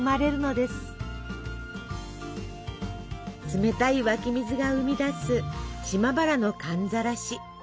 冷たい湧き水が生み出す島原の寒ざらし。